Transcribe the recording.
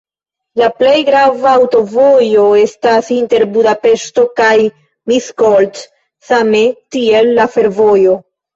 La plej grava aŭtovojo estas inter Budapeŝto kaj Miskolc, same tiel la fervojo.